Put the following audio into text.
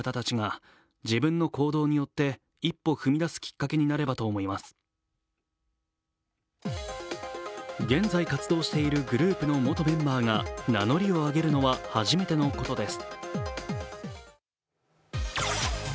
当事者の会の公式サイトで飯田さんは現在活動しているグループの元メンバーが名乗りを上げるのは初めてのことです。